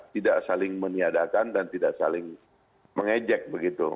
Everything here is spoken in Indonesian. tidak saling meniadakan dan tidak saling mengejek begitu